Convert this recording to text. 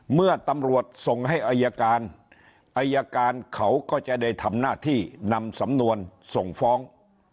เมื่อตำรวจส่งให้อายการอายการเขาก็จะได้ทำหน้าที่นำสำนวนส่งฟ้อง